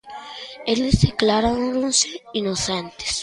Eles declaráronse inocentes.